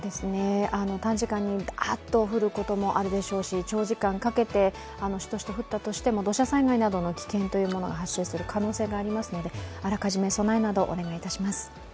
短時間にだーっと降ることもあるでしょうし、長時間かけてしとしと降ったとしても土砂災害の危険が発生する可能性がありますので、あらかじめ備えなどをお願いします。